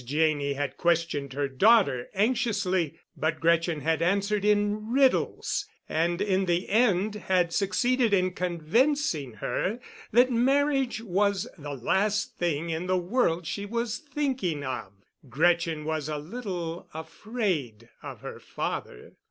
Janney had questioned her daughter anxiously, but Gretchen had answered in riddles, and in the end had succeeded in convincing her that marriage was the last thing in the world she was thinking of. Gretchen was a little afraid of her father.